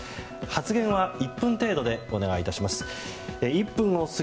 発言は１分程度でお願い致します。